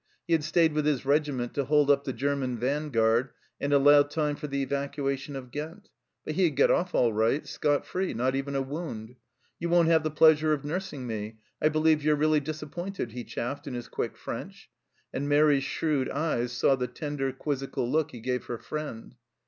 He had stayed with his regiment to hold up the German vanguard and allow time for the evacua tion of Ghent ; but he had got off all right, scot free, not even a wound. " You won't have the pleasure of nursing me ; I believe you're really disappointed," he chaffed in his quick French, and Mairi's shrewd eyes saw the tender, quizzical look he gave her friend.